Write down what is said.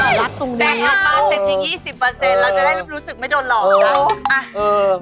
อะไรแกอัดบาร์สที่๒๐เราจะได้รู้สึกไม่โดนหลอก